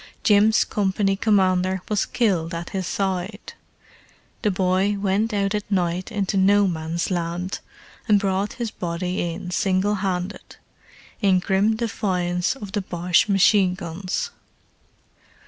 Jim's company commander was killed at his side: the boy went out at night into No Man's Land and brought his body in single handed, in grim defiance of the Boche machine guns.